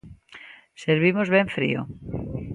Servimos ben frío.